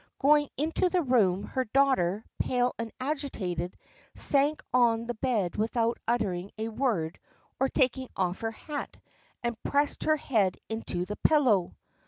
Going into the room her daughter, pale and agitated, sank on the bed without uttering a word or taking off her hat, and pressed her head into the pillow.